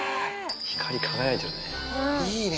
光り輝いてるね。